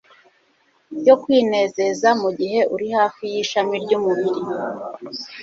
yo kwinezeza mugihe uri hafi yishami ryumubiri